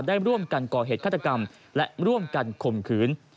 ได้ร่วมกันก่อเหตุฆาตกรรมและร่วมกันข่มขืน